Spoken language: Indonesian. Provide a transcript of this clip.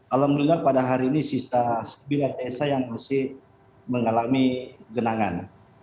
alhamdulillah pada hari ini sisa sembilan desa yang masih mengalami genangan